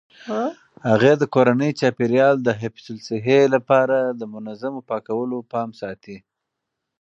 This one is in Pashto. هغې د کورني چاپیریال د حفظ الصحې لپاره د منظمو پاکولو پام ساتي.